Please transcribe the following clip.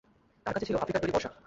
তার কাছে ছিল আফ্রিকার তৈরী বর্শা।